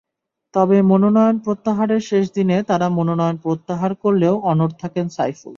তবে মনোনয়ন প্রত্যাহারের শেষ দিনে তাঁরা মনোনয়ন প্রত্যাহার করলেও অনড় থাকেন সাইফুল।